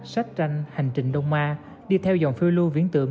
sách tranh hành trình đông a đi theo dòng phiêu lưu viễn tượng